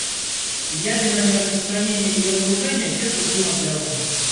Ядерное нераспространение и разоружение тесно взаимосвязаны.